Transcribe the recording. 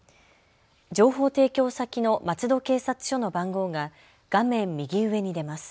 情報提供先の松戸警察署の番号が画面右上に出ます。